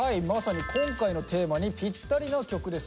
まさに今回のテーマにぴったりな曲です。